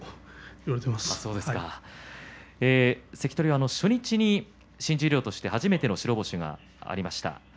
関取が初日に新十両として初めての白星がありました。